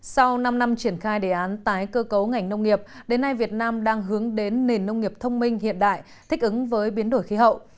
sau năm năm triển khai đề án tái cơ cấu ngành nông nghiệp đến nay việt nam đang hướng đến nền nông nghiệp thông minh hiện đại thích ứng với biến đổi khí hậu